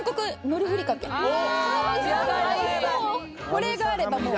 これがあればもう。